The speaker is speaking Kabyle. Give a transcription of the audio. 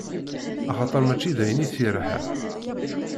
Axaṭer mačči dayen i t-yerḥan.